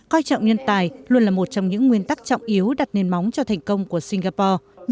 coi trọng nhân tài luôn là một trong những nguyên tắc trọng yếu đặt nền móng cho thành công của singapore